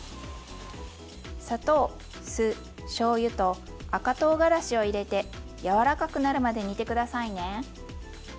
砂糖酢しょうゆと赤とうがらしを入れて柔らかくなるまで煮て下さいね。